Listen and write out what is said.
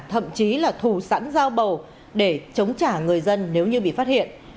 thậm chí là thù sẵn giao bầu để chống trả người dân nếu như bị phát hiện